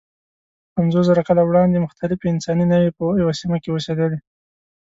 پنځوسزره کاله وړاندې مختلفې انساني نوعې په یوه سیمه کې اوسېدلې.